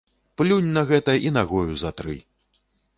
Плюнь на гэта і нагою затры.